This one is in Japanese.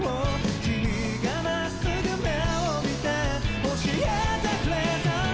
「君がまっすぐ目を見て教えてくれたんだ」